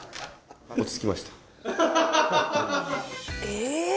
え！